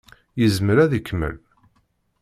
Yezmer ad ikemmel?